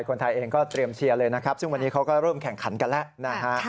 คนไทยเองก็เตรียมเชียร์เลยนะครับซึ่งวันนี้เขาก็เริ่มแข่งขันกันแล้วนะฮะ